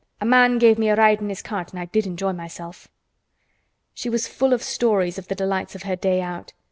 A man gave me a ride in his cart an' I did enjoy myself." She was full of stories of the delights of her day out.